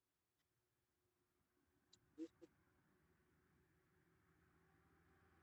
ان دا چې په شپو شپو به ورک و.